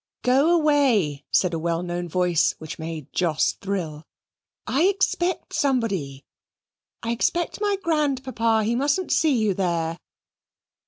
"Go away," said a well known voice, which made Jos thrill, "I expect somebody; I expect my grandpapa. He mustn't see you there."